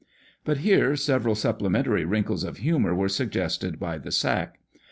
But here several supplementary wrinkles of humour were suggested by the sack.